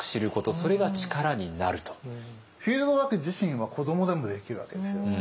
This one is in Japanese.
フィールドワーク自身は子どもでもできるわけですよ。